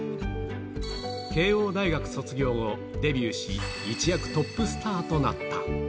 慶応大学卒業後、デビューし、一躍トップスターとなった。